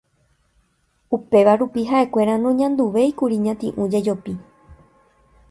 Upéva rupi ha'ekuéra noñanduvéikuri ñati'ũ jejopi